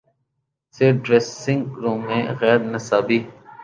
سے dressing room میں غیر نصابی